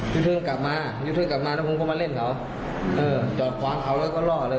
อยู่ดียูเทลก็เรียกนึงชนตุ้มเลย